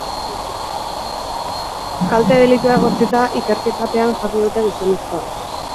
Kalte delitua egotzita ikerketapean jarri dute gizonezkoa.